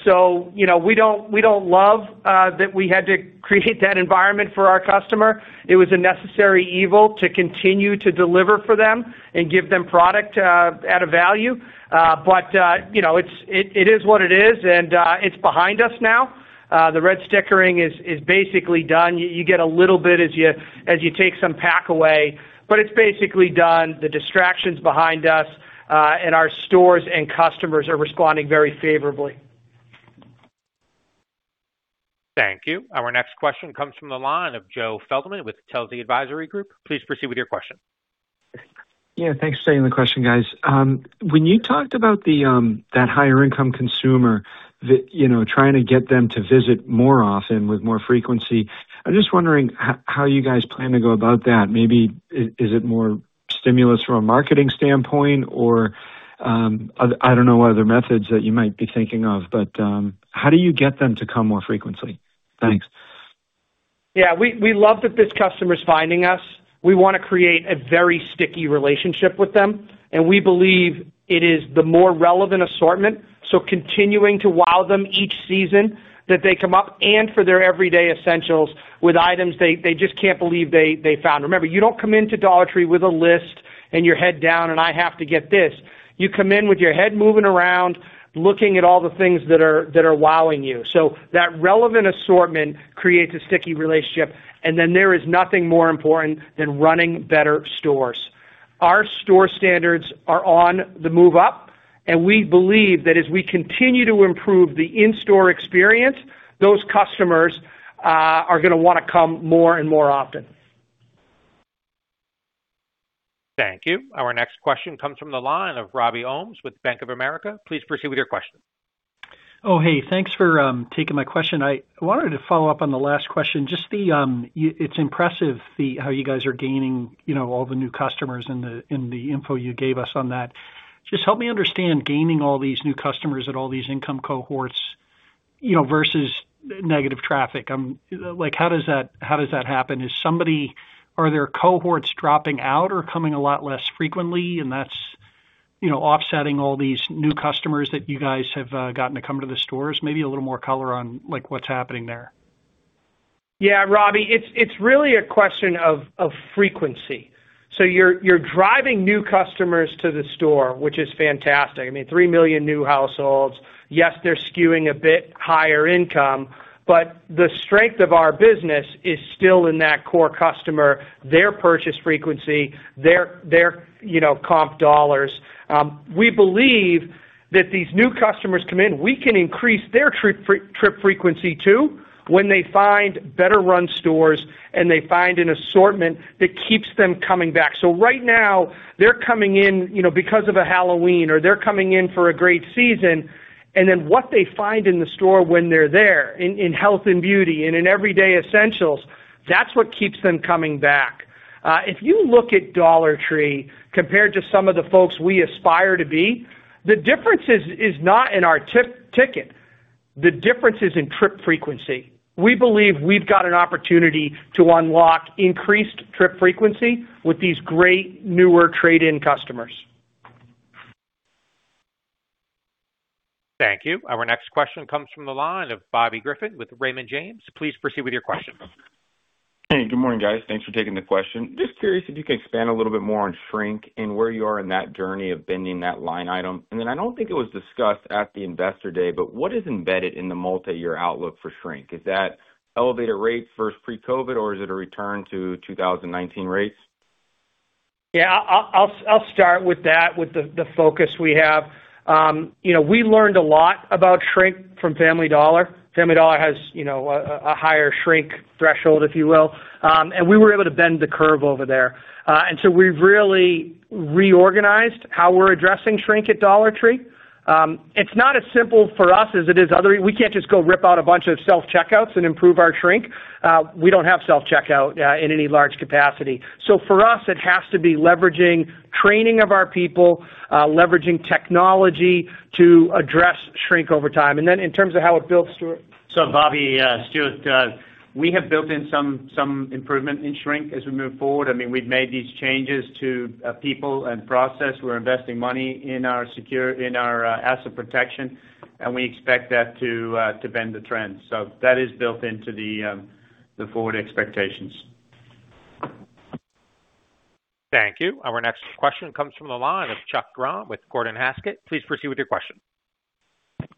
So we don't love that we had to create that environment for our customer. It was a necessary evil to continue to deliver for them and give them product at a value. But it is what it is, and it's behind us now. The restickering is basically done. You get a little bit as you take some pack away, but it's basically done. The distraction's behind us, and our stores and customers are responding very favorably. Thank you. Our next question comes from the line of Joe Feldman with Telsey Advisory Group. Please proceed with your question. Yeah, thanks for taking the question, guys. When you talked about that higher-income consumer trying to get them to visit more often with more frequency, I'm just wondering how you guys plan to go about that. Maybe is it more stimulus from a marketing standpoint, or I don't know what other methods that you might be thinking of, but how do you get them to come more frequently? Thanks. Yeah, we love that this customer's finding us. We want to create a very sticky relationship with them, and we believe it is the more relevant assortment. So continuing to wow them each season that they come up and for their everyday essentials with items they just can't believe they found. Remember, you don't come into Dollar Tree with a list and your head down, and I have to get this. You come in with your head moving around, looking at all the things that are wowing you. So that relevant assortment creates a sticky relationship, and then there is nothing more important than running better stores. Our store standards are on the move up, and we believe that as we continue to improve the in-store experience, those customers are going to want to come more and more often. Thank you. Our next question comes from the line of Robbie Ohmes with Bank of America. Please proceed with your question. Oh, hey, thanks for taking my question. I wanted to follow up on the last question. Just, it's impressive how you guys are gaining all the new customers and the info you gave us on that. Just help me understand gaining all these new customers at all these income cohorts versus negative traffic. How does that happen? Are there cohorts dropping out or coming a lot less frequently? And that's offsetting all these new customers that you guys have gotten to come to the stores? Maybe a little more color on what's happening there. Yeah, Robbie, it's really a question of frequency. So you're driving new customers to the store, which is fantastic. I mean, three million new households. Yes, they're skewing a bit higher income, but the strength of our business is still in that core customer, their purchase frequency, their comp dollars. We believe that these new customers come in, we can increase their trip frequency too when they find better-run stores and they find an assortment that keeps them coming back. So right now, they're coming in because of a Halloween or they're coming in for a great season, and then what they find in the store when they're there in health and beauty and in everyday essentials, that's what keeps them coming back. If you look at Dollar Tree compared to some of the folks we aspire to be, the difference is not in our ticket. The difference is in trip frequency. We believe we've got an opportunity to unlock increased trip frequency with these great newer trade-up customers. Thank you. Our next question comes from the line of Bobby Griffin with Raymond James. Please proceed with your question. Hey, good morning, guys. Thanks for taking the question. Just curious if you can expand a little bit more on Shrink and where you are in that journey of bending that line item. And then I don't think it was discussed at the investor day, but what is embedded in the multi-year outlook for Shrink? Is that elevated rate versus pre-COVID, or is it a return to 2019 rates? Yeah, I'll start with that, with the focus we have. We learned a lot about Shrink from Family Dollar. Family Dollar has a higher Shrink threshold, if you will, and we were able to bend the curve over there. And so we've really reorganized how we're addressing Shrink at Dollar Tree. It's not as simple for us as it is other people. We can't just go rip out a bunch of self-checkouts and improve our Shrink. We don't have self-checkout in any large capacity. So for us, it has to be leveraging training of our people, leveraging technology to address Shrink over time. And then in terms of how it builds, Stewart. So Bobby, Stewart here. We have built in some improvement in Shrink as we move forward. I mean, we've made these changes to people and process. We're investing money in our asset protection, and we expect that to bend the trend. So that is built into the forward expectations. Thank you. Our next question comes from the line of Chuck Grom with Gordon Haskett. Please proceed with your question.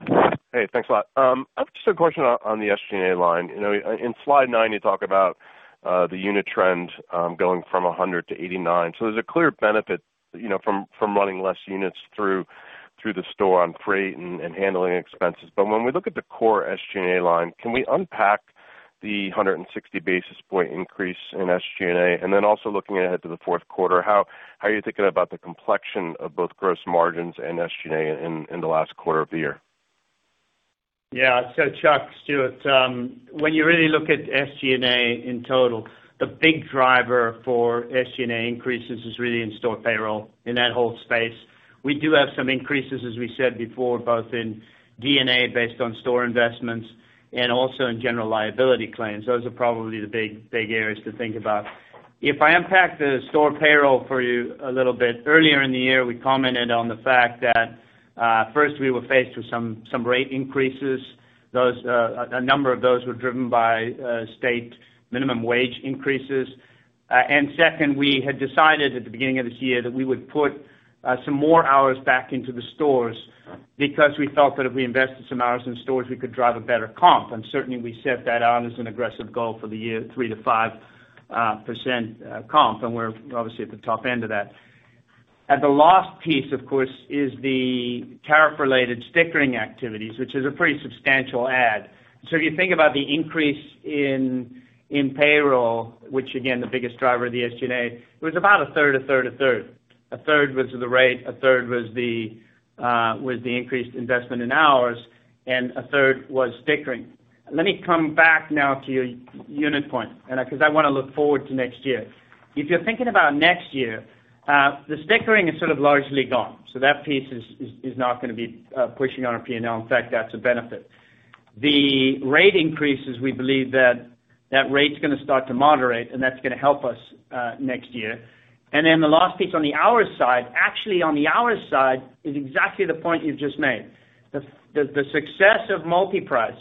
Hey, thanks a lot. I have just a question on the SG&A line. In slide 9, you talk about the unit trend going from 100 to 89. So there's a clear benefit from running less units through the store on freight and handling expenses. When we look at the core SG&A line, can we unpack the 160 basis points increase in SG&A? And then also looking ahead to the fourth quarter, how are you thinking about the complexion of both gross margins and SG&A in the last quarter of the year? Yeah, so Chuck, Stewart, when you really look at SG&A in total, the big driver for SG&A increases is really in store payroll in that whole space. We do have some increases, as we said before, both in DNA based on store investments and also in general liability claims. Those are probably the big areas to think about. If I unpack the store payroll for you a little bit, earlier in the year, we commented on the fact that first, we were faced with some rate increases. A number of those were driven by state minimum wage increases. Second, we had decided at the beginning of this year that we would put some more hours back into the stores because we felt that if we invested some hours in stores, we could drive a better comp. Certainly, we set that out as an aggressive goal for the year, 3%-5% comp, and we're obviously at the top end of that. The last piece, of course, is the tariff-related stickering activities, which is a pretty substantial add. If you think about the increase in payroll, which again, the biggest driver of the SG&A, it was about a third, a third, a third. A third was the rate, a third was the increased investment in hours, and a third was stickering. Let me come back now to your unit point because I want to look forward to next year. If you're thinking about next year, the stickering is sort of largely gone. So that piece is not going to be pushing on our P&L. In fact, that's a benefit. The rate increases, we believe that that rate's going to start to moderate, and that's going to help us next year. And then the last piece on the hour side, actually on the hour side, is exactly the point you've just made. The success of multi-price,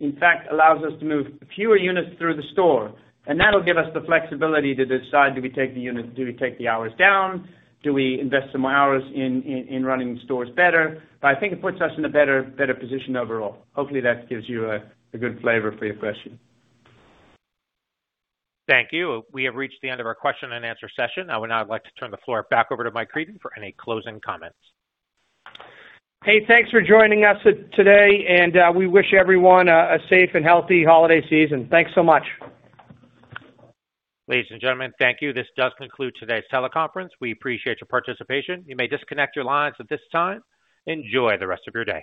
in fact, allows us to move fewer units through the store, and that'll give us the flexibility to decide, do we take the units, do we take the hours down, do we invest some hours in running stores better? But I think it puts us in a better position overall. Hopefully, that gives you a good flavor for your question. Thank you. We have reached the end of our question-and-answer session. I would now like to turn the floor back over to Mike Creedon for any closing comments. Hey, thanks for joining us today, and we wish everyone a safe and healthy holiday season. Thanks so much. Ladies and gentlemen, thank you. This does conclude today's teleconference. We appreciate your participation. You may disconnect your lines at this time. Enjoy the rest of your day.